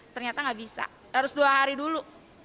ternyata nggak bisa harus dua hari dulu